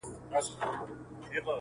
یوه ورځ غویی جلا سو له ګورمه -